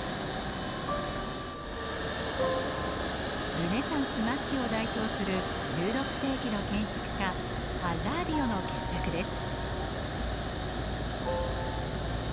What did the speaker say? ルネサンス末期を代表する１６世紀の建築家パッラーディオの傑作です。